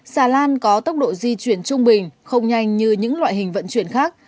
xà lan có tốc độ di chuyển trung bình không nhanh như những loại hình vận chuyển khác